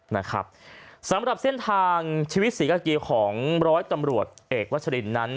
นะครับสำหรับเส้นทางชีวิตศรีกากีของร้อยตำรวจเอกวัชรินนั้น